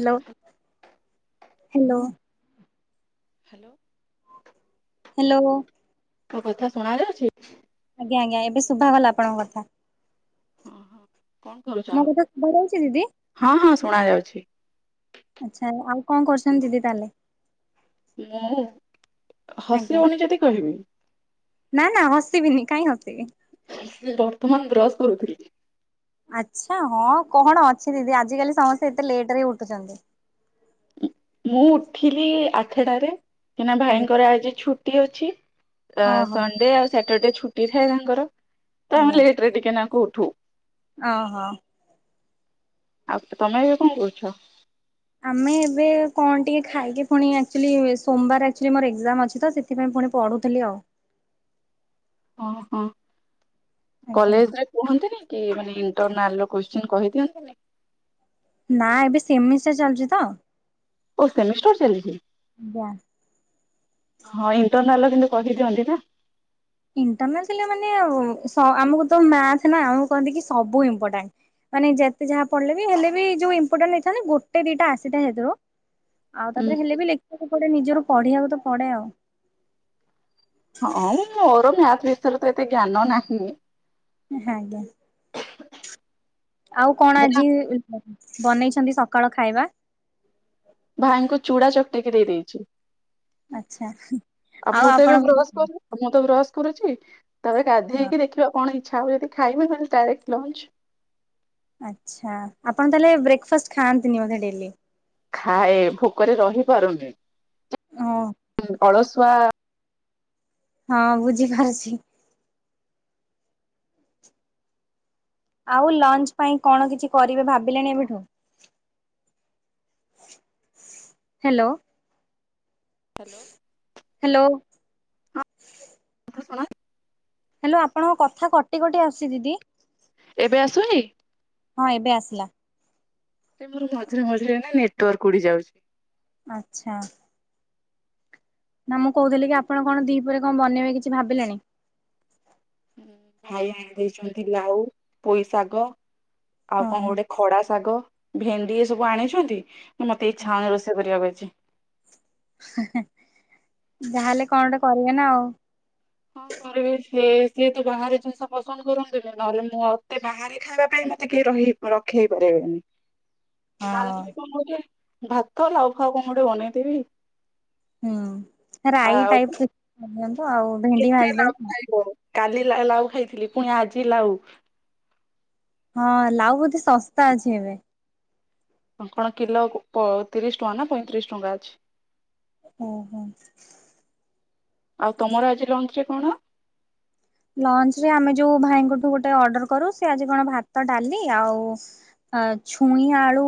Hello hello. Hello. Hello. ମୋ କଥା ଶୁଣ ଯାଉଛି? ଆଜ୍ଞା ଆଜ୍ଞା ଏବେ ଶୁଭା ଗଲା ଆପଣଙ୍କ କଥା। ହଁ ହଁ। କଣ କରୁଛ? ମୋ କଥା ସୁଭାଯାଉଛି ଦିଦି ହଁ ହଁ ଶୁଣା ଯାଉଛି। ଆଚ୍ଛା ଆଉ। ଆଉ କଣ କରୁଛନ୍ତି ଦିଦି ତାହେଲେ? ମୁଁ ହସି ଆଜ୍ଞା ହୋଉନି ଯଦି କହିବି। ନା ନା ହସିବିନି କାଇଁ ହସିବି। ସେ ବର୍ତ୍ତମାନ ବ୍ରସ୍ କରୁଥିଲି। ଆଚ୍ଛା ହଁ କଣ ଅଛି ଦିଦି ଆଜିକାଲି ସମସ୍ତେ ଏତେ ଲେଟ ରେ ଉଠୁଛନ୍ତି। ହଁ। ମୁଁ ଉଠିଲି ଆଠେଟାରେ। ଏଇନା ଆଜ୍ଞା ଭାଇଙ୍କର ଆଜି ଛୁଟି ଅଛି ଓହୋ ସଣ୍ଡେ ଆଉ ସା ଟର୍ ଡେ ଛୁଟି ଥାଏ ତାଙ୍କର ତ ଆଜ୍ଞା ଆମେ ଲେଟ ରେ ଟିକେ ନାଙ୍କୁ ଉଠୁ। ଓହୋ। ଆଉ ତମେ ଏବେ କଣ କରୁଛ। ଆମେ ଏବେ କଣ ଟିକେ ଖାଇକି ପୁଣି ଆଚୁଲି ସୋମବାର ଆଚୁଲି ମୋର ଏକଜାମ୍ ଅଛି ତ ସେଥି ପୁଣି ପଢୁଥିଲି ଆଉ। ଓହୋ ଆଜ୍ଞା କଲେଜ ରେ କୁହନ୍ତିନି। କି ମାନେ ଇଣ୍ଟର କହିଦିଅନ୍ତିନି। ନା ଏବେ ସେମି ସେ ଚାଲିୁଛି ତ। ଓ ସେମି ଷ୍ଟାର୍ ଚାଲିଛି ଆଜ୍ଞା ହିଁ ଇଣ୍ଟରନାଲ ର। କିନ୍ତୁ କହିଦିଅନ୍ତି ନା। ଇଣ୍ଟର ଥିଲା ମାନେ ସ ଆମକୁ ତ ମ୍ୟାଥ ନା ଆମକୁ କହନ୍ତି କି ସବୁ ଇପୋଟାଣ୍ଟ। ମାନେ ଯେତେ ଯାହା ପଡିଲେ ବି ହେଲେ ବି ଯୋଉ ଇମ୍ପୋର୍ଟାଣ୍ଟ ହେଇଥାନ୍ତ ଗୋଟେ ଦିଟା ଆସିଥାଏ ହେଥୁରୁ। ଆଉ ନା। ତାପରେ ହେଲେ ବି ଲେଖିବାକୁ ପଡେ ନିଜରୁ ପଢିବାକୁ ତ ପଢଡେ ଆଉ। ହଁ ମୋର ମ୍ୟାଥ ବିଷୟରେ ତ ଏତେ ଜ୍ଞାନ ନାହିଁ। ଆ୍ଞା। ଆଉ କଣ ଏଇନା ଆଜି ବନେଇଛନ୍ତି ସକାଳ ଖାଇବା? ଭାଇଙ୍କୁ ଚୂଡ଼ା ଚକଟକି ଦେଇ ଦେଇେଇଛି। ଆଚ୍ଛା ଆଉ ମୁଁ ତ ଆପଣ ଏବେ ହଁ ବ୍ରଶ କରନି ମୁଁ ତ ବ୍ରସ୍ କରୁଛି ତରେ ଗାଧେଇକି ଦେଖିବା କଣ ହେଇ ଇଚ୍ଛା ହବା ଯଦି ଖାଇବି ନହେଲେ ଡାଇରେକ୍ଟ ଲଜ ଆ୍ଛା ଆପଣ ତାହେଲେ ବ୍ରେକ୍ଫାଷ୍ଟ ଖାଆନ୍ତିନିୋେ ଡେଲି। ଖାଏ ଭୋକରେ ରହି ପାରୁନି। ହ। ଅଳସୁଆ ହଁ ବୁଝିପାରୁଛି। ଆଉ ଲଞ୍ଚ ପାଇଁ କଣ କିଛି କରିବେ ଭାବିଲେଣି ଏବେଠୁ? ହ୍ୟାଲୋ। Hello hello. ହଁ କଥା ଶୁଣା ହ୍ୟାଲୋ ଆପଣଙ୍କ କଥା କଟି କଟି ଆସି ଦିଦି। ଏବେ ଆସୁିନି? ହଁ ଏବେ ଆସିଲା। ମର ମଝିରେ ମଝିରେ ନା ନେଟୱାର୍କ ଉଡି ଯାଉଛି। ଆଚ୍ଛା। ନା ମୁଁ କହୁଥିଲି କି ଆପଣ କଣ ଦିପରେ କଣ ବନେଇବେ କିଛି ଭାବିଲେଣି? ଭାଇ ଆ ଦେଇଛନ୍ତି ଲାଉ, ପୋଇ ଶାଗ ଆଉ କଣ ଓହୋ। ଗୋଟେ ଖଡା ଶାଗ ଭେଣ୍ଡି ଏ ସବୁ ଆଣିଛନ୍ତି ମୁ ମତେ ଇଚ୍ଛା ହଉନି ରୋଷେଇ କରିବାକୁ ଆଜି। ଯାହାହେଲେ କଣ ଗୋଟେ କରିବ ନା ଆଉ। କଣ କରିବି ସି ସିଏ ତୁ ବାହାରେ ଜିନିଷ ପସନ୍ଦ କରନ୍ତିୁନି ନହେଲେ ମୁଁ ମତେ ବାହାରେି ଖାଇବା ପାଇଁ ମତେ କିଏ ରହି ରଖେଇ ହେଇ ପାରିବନି। ହଁ ରାନ୍ଧିବି କଣ ଗୋଟେ ଭାତ ଲାଉ ଫାଉ କଣ ଗୋଟେ ବନେଇଦବି। ହୁଁ ରାଇ ଟାଇପ୍ା ଦିଅନ୍ତୁ ଆଉ ଭେଣ୍ଡି କେତେ ଭାଜି ଲାଉ ଦିଅନ୍ତୁ। ଖାଇବ କାଲି ଲାଉ ଖାଇଥିଲି ପୁଣି ଆଜି ଲାଉ। ହଁ ଲାଉ ବୋଧେ ଶସ୍ତା ଅଛି ଏବେ? କଣ କିଲୋ ତିରିଶ ଟଙ୍କା ନା ପଇଁତିରିଶ ଟଙ୍କା ଅଛି। ଓହୋ। ଆଉ ତମର ଆଜି ଲଞ୍ଚ ରେ କଣ? ଲଞ୍ଚ ରେ ଆମେ ଯୋଉ ଭାଇଙ୍କଠୁ ଗୋଟେ ଅର୍ଡର କରୁ ସେ ଆଜି କଣ ଭାତ ଡାଲି ଆଉ ଆ ଛୁଇଁ ଆଳୁ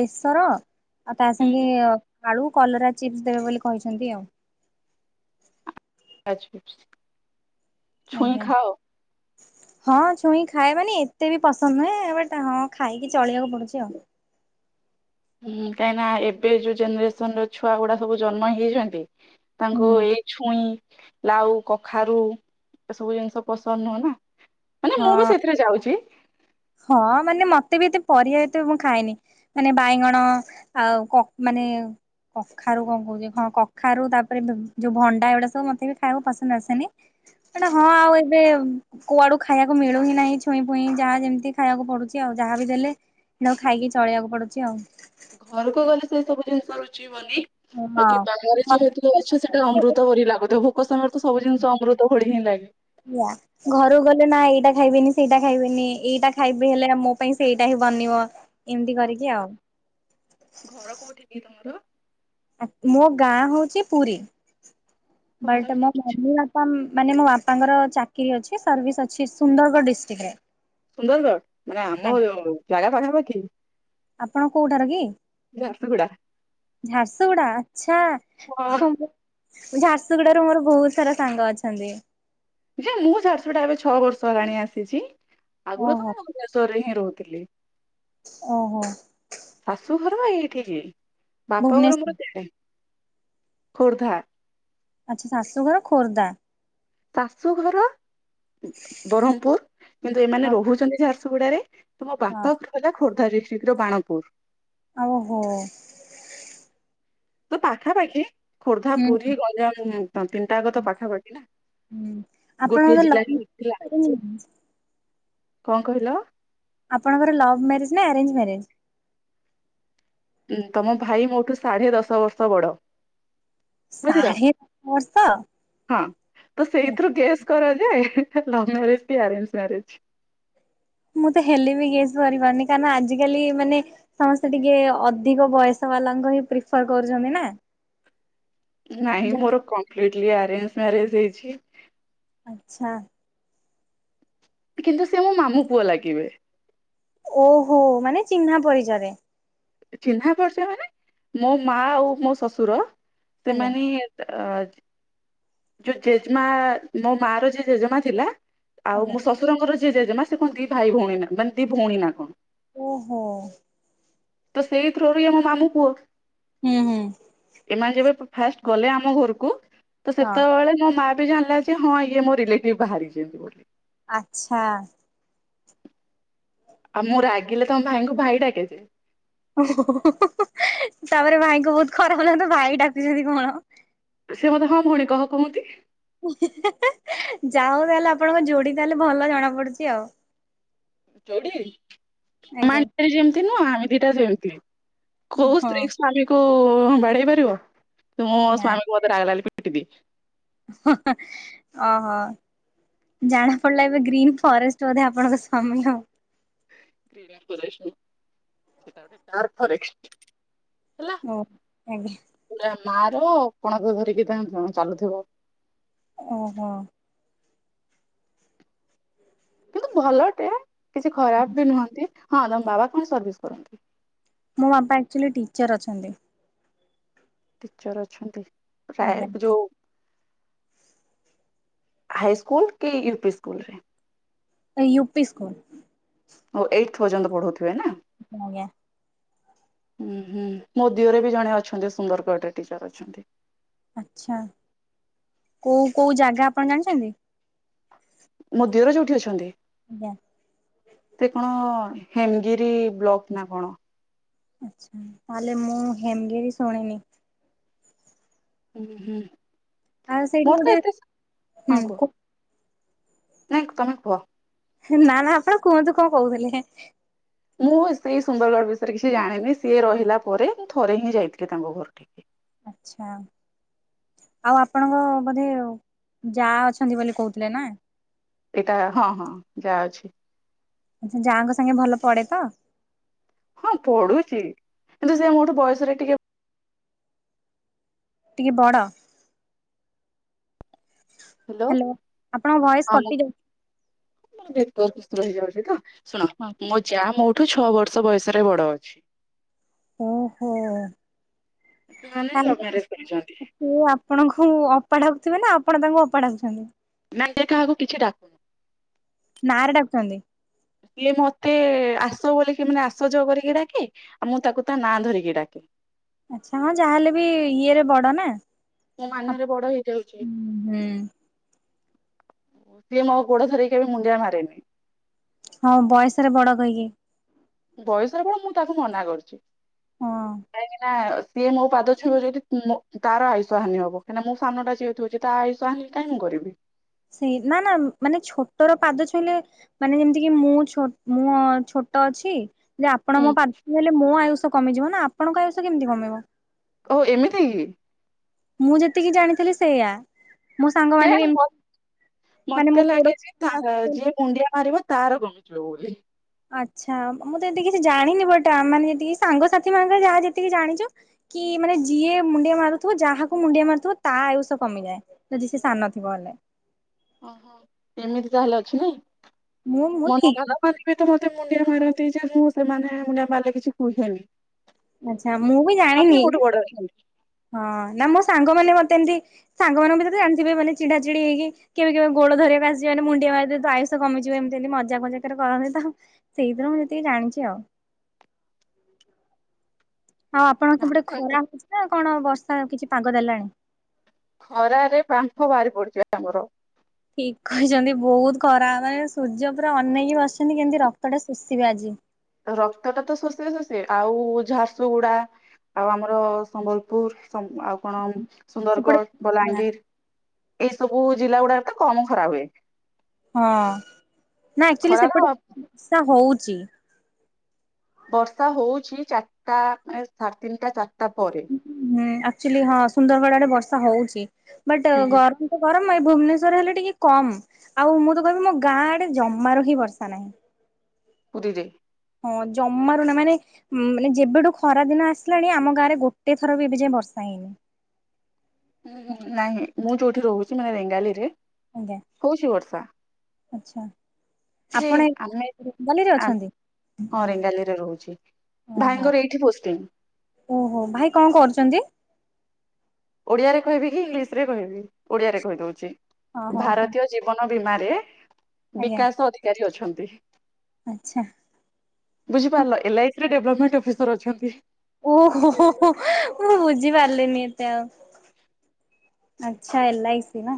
ବେସର ଆଉ ତା ସାଙ୍ଗେ ଆଳୁ କଲରା ଚିପ୍ସ ଦେବେ ବୋଲି କହିଛନ୍ତି ଆଉ। ଛୁଇଁ ଆଜ୍ଞା ଖାଅ? ହଁ ଛୁଇଁ ଖାଏ ମାନି ଏତେ ବି ପସନ୍ଦ ନୁହେଁ ହଁ ଖାଇକି ଚଳିବାକୁ ପଡୁଛି ଆଉ। ହୁଁ କାହିଁକି ନା ଏବେ ଯୋଉ ଜେନେରେସନ ର ଛୁଆ ଗୁଡା ସବୁ ଜନ୍ମ ହେଇଛନ୍ତି ତାଙ୍କୁ ଏଇ ଛୁଇଁ ଲାଉ କଖାରୁ ଏସବୁ ଜିନିଷ ପସନ୍ଦ ନୁହ ନା। ମାନେ ମୁଁ ବି ହଁ ସେଥିରେ ଯାଉଛି। ହଁ ମାନେ ମତେ ବି ଏତେ ପରିବା ଏତେ ମୁଁ ଖାଏନି ମାନେ ବାଇଗଣ ଆଉ ମାନେ [unintelligible] କଖାରୁ କଣ କହୁଛି ହଁ କଖାରୁ ତାପରେ ଯୋଉ ଭଣ୍ଡା ଏଗୁଡା ସବୁ ମତେ ବି ଖାଇବାକୁ ପସନ୍ଦ ଆସେନି। ମାନେ ହଁ ଆଉ ଏବେ କୁଆଡୁ ଖାଇବାକୁ ମିଳୁ ହି ନାହିଁ ଛୁଇଁ ପୁଇଁ ଯାହା ଯେମିତି ଖାଇବାକୁ ପଡୁଛି ଆଉ ଯାହା ବି ଦେଲେକୁ ଖାଇକି ଚଳେଇବାକୁ ପଡୁଛି ଆଉ। ଘରକୁ ଗଲେ ସେ ସବୁ ଜିନିଷ ରୁଚେଇିବନି। ହଁ ବା କି ବାଘରେ ଯେହେତୁ ରାହିଅଛ ସେଟାମୃତ ଭଳି ଲାଗୁ ଥିବ ଭୋକ ସମୟରେ ତ ସବୁ ଜିନିଷ ଅମୃତ ଭଳି ହିଁ ଲାଗେ। ଆଆ ଘରୁ ଗଲେ ନାଇଁ ଖାଇବେନି ସେଇଟା ଖାଇବେନି ଏଇଟା ଖାଇବି ହେଲେ ମୋ ପାଇଁ ସେଇଟା ହିଁ ବନିବ ଏମିତି କରିକି ଆଉ। ଘଡ କୋଉଠିକ କି ତୁମର? ମୋ ଗାଁ ହଉଛି ପୁରୀ ଓହୋ ତମେ ବଟ ମୋ ମମି ବାପା ମାନେ ମୋ ବାପାଙ୍କର ଚାକିରୀ ଅଛି ସର୍ଭିସ୍ ଅଛି ସୁନ୍ଦରଗଡ଼ ଡିଷ୍ଟ୍ରିକ୍ଟ ରେ। ସୁନ୍ଦରଗଡ଼ ମାନେ ଆମ ଜାଗା ପାଖାପାଖି। ଆପଣ କୋଉଠାରୁ କି? ଝାରସୁଗୁଡା ଝାରସୁଗୁଡା ଆଚଛା ହଁ ଝାରସୁଗୁଡା ର ମୋର ବହୁତ ସାରା ସାଙ୍ଗ ଅଛନ୍ତି। ଜେ ମୁଁ ଝାରସୁଗୁଡ଼ା ଏବେ ଛଅ ବର୍ଷ ହେଲାଣି ଆସିଛି ଆଗରୁ ଓହୋ ତମ ଭୁବନେଶ୍ଵର ରେ ହିଁ ନି ରହୁଥିଲି। ଓହୋ। ଘର ବା ଏଇଠି ବାପା ଘର ମୋର ଭୁବନେଶ୍ୱର ସିଆଡେ ଖୋର୍ଦ୍ଧା। ଆଚଛା ଶାଶୁଘର ଖୋର୍ଦ୍ଧା। ଶାଶୁଘର ବ୍ରରହମପୁର କିନ୍ତୁ ଏମାନେ ରହୁଛନ୍ତି ସ ଝାରସୁଗୁଡାରେ ମୋ ଆଚ୍ଛା ବାପାଘର ଖୋର୍ଦ୍ଧା ଡିଷ୍ଟ୍ରିଟ ର ବାଣପୁର। ଓହୋ। ତ ପାଖାପାଖି ଖୋର୍ଦ୍ଧା, ହୁଁ ପୁରୀ, ଗଞ୍ଜାମ ତିନିଟା ଯାକ ତ ପାଖାପାଖି ନା। ଗୋଟିଏ ଆପଣଙ୍କର ଲଭ୍ ଜିଲ୍ଲାରେ ମ୍ୟାରେଜ ହେଇଥିଲା କରିନାହାନ୍ତି? କଣ କହିଲ? ଆପଣଙ୍କର ଲଭ ମ୍ୟାରେଜ ନା ଆରେଞ୍ଜ ମ୍ୟାରେଜ? ହଁ ତମ ଭାଇ ମୋଠୁ ସାଢେ ଦଶ ବର୍ଷ ବଡ। ବୁଝିଲ ସାଢେ ଦଶ ବର୍ଷ ହଁ ତ ସେଇଥିରୁ ଗେସ୍ କର ଯେ ଲଭ୍ ମ୍ୟାରେଜ୍ କି ଆରେଞ୍ଜ ମ୍ୟାରେଜ୍? ମୁଁ ତ ହେଲି ବି ଗେସ୍ କରି ପାରୁନି କାରଣ ଆଜିକାଲି ମାନେ ସମସ୍ତେ ଟିକେ ଅଧିକ ବୟସ ବାଲା ଙ୍କୁହିଁ ପ୍ରିଫର କରୁଛନ୍ତି ନା। ନାଇଁ ମୋର କମ୍ପ୍ଲିଟଲି ଆରେଞ୍ଜ ମ୍ୟାରେଜ ହେଇଛି। ଆଚ୍ଛା। କିନ୍ତୁ ସେ ମୋ ମାମୁଁ ପୁଅ ଲାଗିବେ। ଓହୋ ମାନେ ଚିହ୍ନା ପରିଚୟରେ? ଚିହ୍ନା ପରିଚୟ ମାନେ ମୋ ମା ଆଉ ମୋ ଶଶୁର ଆଜ୍ଞା ସେମାନେ ଅ ଯୋଉ ଜେଜେମା ମୋ ମା ର ଯୋ ଜେଜେମା ଥିଲା ଆଉ ଆଜ୍ଞା। ମୋ ଶଶୁରଙ୍କ ଯେ ଯେଜେମା ସେ କଣ ଦି ଭାଇ ଭଉଣୀ ମାନେ ଦି ଭଉଣୀ ନାଁ କଣ? ଓହୋ। ତ ସେଇଥ୍ରୋଅରୁ ଇଏ ମାମୁଁ ପୁଅ ହୁଁ ହୁଁ ଏମାନେ ଯେବେ ଫାଷ୍ଟ ଗଲେ ଆମ ଘରକୁ ତ ହଁ ସେତେବେଳେ ମୋ ମା ଜାଣିଲା ଯେ ହଁ ଇଏ ମୋ ରିଲେଟିଭ ବାହାରି ବୋଲି। ଆଚ୍ଛା। ଆଉ ମୁଁ ରାଗିଲେ ତମ ଭାଇଙ୍କୁ ଭାଇ ଡାକେ ଯେ। ଓୋ ହୋ ତାପରେ ଭାଇଙ୍କୁ ବହୁତ ଖରାପ ଲାଗୁଥିବ ଭାଇ ଡାକୁଛନ୍ତି କଣ? ସେ ମତେ ହଁ ଭଉଣୀ କହ କହନ୍ତି। ଯାଉ ତାହେଲେ ଆପଣଙ୍କ ଯୋଡି ତାହେଲେ ଭଲ ଜଣା ପଡୁଛି ଆଉ। ଯୋଡି ଆଜ୍ଞା [unintelligible] ଯେମତି ନୁହ ଆମେ ଦିଟା ଯେମିତି କୋଉ ହଁ ସ୍ତ୍ରୀ ସ୍ଵାମୀ ବାଡେଇ ପାରିବ କିନ୍ତୁ ମୋ ନା ସ୍ଵାମୀକୁ ମତେ ରାଗ ଲାଗିଲେ ପି ପିଟିବି ଓହୋ ଜାଣା ପଡିଲା ଏବେ ଗ୍ରୀନ ଫରେଷ୍ଟ ବୋଧେ ଆପଣଙ୍କ ସ୍ୱାମୀ ଆଉ ଫରେ [unintelligible] ଓ ଆଜ୍ଞା ନାଁ ର କଣ ତ ଧରିକି ତ ଚାଲୁଥିବ ଓହୋ କିନ୍ତୁ ଭଲଟେ କିଛି ଖରାପ ବି ନୁହନ୍ତି ହଁ ତମ ବାବା କଣ ସର୍ଭିସ କରନ୍ତି? ମୋ ବାପା ଆଚ୍ୟୁଲି ଟିଚର ଅଛନ୍ତି ଟିଚର ଅଛନ୍ତି ପ୍ରାୟ ଆଜ୍ଞା ଯୋଉ ହାଇ ସ୍କୁଲ କି ୟୁପି ସ୍କୁଲ ରେ? ୟୁ ପି ସ୍କୁଲ ଓ ଏଇଟଥ ପର୍ଯ୍ୟନ୍ତ ପଢଉଥିବେ ନା ଆଜ୍ଞା ଉହୁଁ ମୋ ଦିଅର ବି ଜଣେ ଅଛନ୍ତି ସୁନ୍ଦରଗଡ଼ରେ ଟିଚର ଅଛନ୍ତି ଆଛା କୋଉ କୋଉ ଜାଗା ଆପଣ ଜାଣିଛନ୍ତି? ମୋ ଦିଅର ଯୋଉଠି ଅଛନ୍ତି? ଆଜ୍ଞା ସେ କଣ ହେମଗିରି ବ୍ଲକ ନା କଣ ଆଛା ତାହେଲେ ମୁଁ ହେମଗିରି ଶୁଣିନି। ହ ହୁଁ ଆଉ ସେଇଠି ମୋର ତ ଗୋଟେ ଏତେ ହଁ ହୁଁ କୁହ କୋ [unintelligible] ନାଇଁ ତମେ କୁହ। ନା ନା ଆପଣ କୁହନ୍ତୁ କଣ କହୁଥିଲେ। ମୁଁ ସେଇ ସୁନ୍ଦରଗଡ଼ ବିଷୟରେ କିଛି ଜାଣିନି ସିଏ ରହିଲା ପରେ ମୁଁ ଥରେ ହିଁ ଯାଇଥିଲି ତାଙ୍କ ଘର ଠିକି ଆଚ୍ଛା। ଆଉ ଆପଣଙ୍କ ବୋଧେ ଯା ଅଛନ୍ତି ବୋଲି କହୁଥିଲେ ନା ଏଇଟା ହଁ ହଁ ଯା ଅଛି ଆଛା ଯାଙ୍କ ସାଙ୍ଗେ ଭଲ ପଡେ ତ ହଁ ପଢୁଛି କିନ୍ତୁ ସେ ମୋଠୁ ବୟସରେ ଟିକେ ଟିକେ ବଡ ହ୍ୟାଲୋ ଆପଣଙ୍କ ଭଏସ କଟି ଯାଉଛି। ଭ ସୁ ହେଇଯାଉଛି ତ ଶୁଣ ମୋ ଯାହା ମ [unintelligible] ଠୁ ଛଅ ବର୍ଷ ବୟସରେ ବଡ ଅଛି। ଓହୋ। ସେମାନେ ଲଭ୍ ତାହଲେ ମ୍ୟାରେଜ କରିଛନ୍ତି ଆପ ସେ ଆପଣଙ୍କୁ ଅପାଢକୁଥିବେ ନା [unintelligible] ଆପଣ ତାଙ୍କୁ ଅପା ଡାକୁଛନ୍ତି। ନ ଦେ କାହାକୁ କିଛି ଡାକୁନି [unintelligible] ନାଁରେ ଡାକୁଛନ୍ତି କିଏ ମତେ ଆ [inaudible] ଆସ ବୋିକି ମାନେ ଆଶ କରିକି ଡାକେ ଆଉ ମୁଁ ତାକୁ ତା ନାଁ ଧରିକି ଡାକେ [unintelligible] ଆଚ୍ଛା ହଁ ଯାହାହେଲେ ବି ଇଏରେ ବଡ ନା ମୁଁ ମାନରେ ବଡ ହେଇଯାଉଛି। ହୁଁ ସିଏ ମୋ ଗୋଡ଼ ଧରି କେବେ ମୁଣ୍ତିଆ ମାରେନି ହଁ ବୟସରେ ବଡ କହିକି ବୟସରେ ବଡ ମୁଁ ତାକୁ ମନା କରୁଛି ହଁ। କାହିଁକିନା। ସିଏ ମୋ ପାଦ ଛୁଇଁବ ଯଦି ତାର ଆୟୁଷ ହାନି ହବ କାହିଁକି ନା ମୁଁ ସାନଟା ଯେହେତୁ ତା ଆୟୁଷ ହାନି କାହିଁକି ମୁଁ କରିବି କରିବି [inaudible] ସେଇ ନା ନା ମାନେ ଛୋଟର ପାଦ ଛୋଇଲେ ମାନେ ଯେମିତି କି ମୁଁ ମୁଁ ଛୋଟ [unintelligible] ତ ଅଛି ଯେ ଆପଣ ହୁଁ। ମୋ ପାଦ ଧରିଲେ ମୋ ଆୟୁଷ କମିଯିବ ନା ଆପଣଙ୍କ ଆୟୁଷ କେମିତି କମିବ ଓହୋ ଏମିତି କି ମୁଁ ଯେତିକି ଜାଣିଥିଲି ସେଇଆ। ମୋ ସାଙ୍ଗମାନେ ବି ଏମତି ମାନେ ମୋ ମତେ ଲାଗେ ଯେ [unintelligible] ଗୋଡ ଯିଏ ମୁଣ୍ଡିଆ ମାରିବ ତାର କମିଯିବ ବୋଲି ଆଚ୍ଛା ମୁଁ ତ ଏମିତି କିଛି ଜାଣିନି ବଟ ଆମେ ମାନେ ଯେତିକି ସାଙ୍ଗସାଥି ମାନଙ୍କର ଯାହା ଯେତିକି ଜାଣିଛୁ କି ମାନେ ଯିଏ ମୁଣ୍ଡିଆ ମାରୁଥିବ ଯାହାକୁ ମୁଣ୍ଡିଆ ମାରୁଥିବ ତା ଆୟୁଷ କମିଯାଏ ଯଦି ସେ ସାନଥିବ ହେଲେ। ଓହୋ ଏମିତି ତାହେଲେ ଅଛି ନାଇ ମୁଁ ମୁଁ ମୁ ଠିକ ତାହେଲେ ମନିବି ଏଥର ମତେ ମୁଣ୍ଡିଆ ମାରନ୍ତି ଯେ ମୁଁ ସେମାନେ ମୁଣ୍ଡିଆ ମାରିଲେ କିଛି କୁହେନି ଆଚ୍ଛା ମୁଁ ବି ମାନେ ଜାଣିନି ମୋଠୁ ବଡ ଅଛନ୍ତି। ହଁ ନା ମୋ ସାଙ୍ଗ [unintelligible] ମତେ ଏମତି ସାଙ୍ଗମାନଙ୍କ ଭିତରେ ଏମିତି ବି ମାନେ ଚିଢା ଚିଡି ହେଇକି କେବେ କେବେ ଗୋଡ ଧରିବାକୁ ଆଯିବ ମାନେ ମୁଣ୍ଡିଆ ଯେହେତୁ ଆୟୁସ କମିଯିବ ଏମିତି ଏମିତି ମଜା ମଜାକରେ କରନ୍ତି ତ ସେଇଥିରୁ ମୁଁ ଯେତିକି ଜାଣିଛି ଆଉ ହଁ [inaudible] ଆଉ ଆପଣଙ୍କ ସେପଟେ ନାଇଁ, ଖରା ହଉଛି ନା କଣ ବର୍ଷା କିଛି ପାଗ ଦେଲାଣି। ଖରାରେ ବାମ୍ଫ ବାହାରି ପଢୁଛି ଆମର। ଠିକ କହିଛନ୍ତି ବହୁତ ଖରା ମାନେ ସୂର୍ଯ୍ୟ ପୁରା ଅନେଇକି ବସିଛନ୍ତି, କେମିତି ରକ୍ତ ଟା ଶୋଷିବେ ଆଜି। ରକ୍ତଟା ତ ଶୋଷେ ଶୋଷେ ଆଉ ଝାରସୁଗୁଡା ଆଉ ଆମର ସମ୍ବଲପୁର ଆଉ କଣ ସେପଟେ ସୁନ୍ଦରଗଡ ହଁ ବଲାଙ୍ଗୀର ଏଇ ସବୁ ଜିଲ୍ଲା ଗୁଡାକ ତ କମ ଖରା ହୁଏ। ହଁ ନା ଆକଚୁଆଲି ଖରାର ସେପଟେ ବର୍ଷା ହଉଛି। ବର୍ଷା ହଉଛି ଚାରିଟା ସାଢେ ତିନିଟା ଚାରିଟା ପରେ। ହୁଁ ହଁ ସୁନ୍ଦରଗଡରେ ବର୍ଷା ହଉଛି ବଟ ହୁଁ ଗରମ ତ ଗରମ ଭୁବନେଶ୍ଵର ହେଲେ ଟିକେ କମ ଆଉ ମୁଁ ତ କହିବି ମୋ ଗାଁ ଆଡେ ଜମାରୁ ହିଁ ବର୍ଷା ନାହିଁ। ପଦିଦେ [unintelligible] ହଁ ଜମାରୁ ନା ମାନେ ମାନେ ଯେବେଠୁ ଖରା ଦିନ ଆସିଲାଣି, ଆମ ଗାଁରେ ଗୋଟେ ଥର ବି ଏବେ ଯାଏ ବର୍ଷା। ନାଇନ [unintelligible] ଉଁ ନାଇଁ ମୁଁ ଯୋଉଠି ରହୁଛି ମାନେ ରେଙ୍ଗାଲି ରେ। ଆଜ୍ଞା ଆଚ୍ଛା। ଯେ ଆପଣ ଆମେ ରେଙ୍ଗାଲିରେ ଆ- ଅଛନ୍ତି? ହଁ ରେଙ୍ଗାଲିରେ ରହୁଛି, ଓହୋ ଭାଇଙ୍କର ଏଇଠି ପୋଷ୍ଟିଙ୍ଗ୍। ଓହୋ, ଭାଇ କଣ କରୁଛନ୍ତି? ଓଡିଆରେ କହିବି କି ଇଂଲିଶ ରେ କହିବି ଓଡିଆରେ କହିଦଉଛି ହଁ ହଁ କୁ ଭାରତୀୟ ଜୀବନ। ବୀମାରେ ଆଜ୍ଞା ବିକାଶ ଅଧିକାରୀ ଅଛନ୍ତି। ଆଚ୍ଛା। ବୁଝିପାରିଲ L I C development officer ଅଛନ୍ତି। ଓ ହୋ ହୋ ହୋ ମୁଁ ବୁଝିପାରିଲିନି ଏତେ ଆଉ। ଆଛା ଏଲା ଆଇ ସି ନା।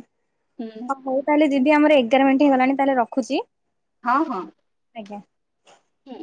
ହୁଁ ହଁ ହଉ ତାହେଲେ ଯିବି ଆମର ଏଗାର ମିନିଟ୍ ହେଇଗଲାଣି ତାହେଲେ ରଖୁଛି। ହଁ, ହଁ। ଆଜ୍ଞା। ହୁଁ।